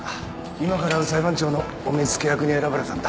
今から会う裁判長のお目付役に選ばれたんだ。